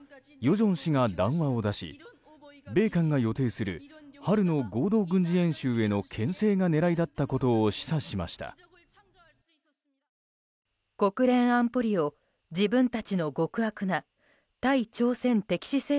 正氏が談話を出し米韓が予定する春の合同軍事演習への牽制が狙いだったことを示唆しました。